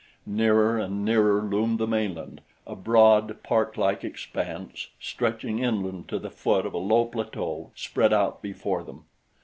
Nearer and nearer loomed the mainland a broad, parklike expanse stretching inland to the foot of a low plateau spread out before them.